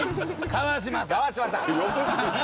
川島さん！